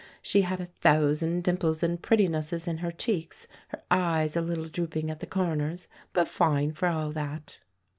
She had a thousand dimples and prettinesses in her cheeks, her eyes a little drooping at the corners, but fine for all that."